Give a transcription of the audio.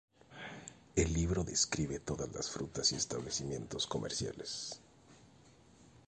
El libro describe todas las frutas y establecimientos comerciales.